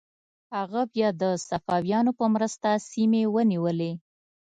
هغه بیا د صفویانو په مرسته سیمې ونیولې.